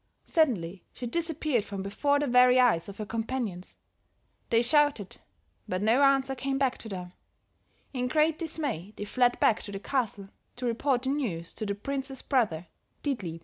Suddenly she disappeared from before the very eyes of her companions; they shouted, but no answer came back to them; in great dismay they fled back to the castle to report the news to the princess' brother Dietlieb.